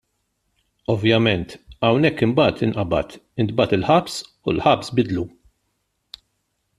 Ovvjament hemmhekk imbagħad inqabad, intbagħat il-ħabs u l-ħabs biddlu.